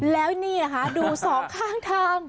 แล้วนี่นะคะดูสองข้างทาง